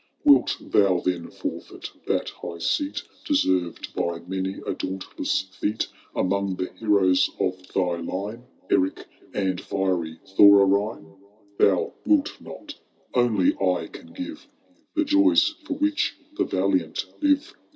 Wilt thou then forfeit that high seat Deserved by many a dauntless feat. Among the heroes of thy line, Eric and fiery Thorarine ?— Thou wilt not. Only I can give The jojrs for which the valiant live.